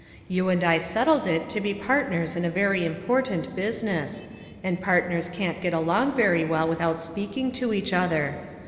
You and I settled it to be partners in a very important business ; and part ners can't get along very well without speaking to each other.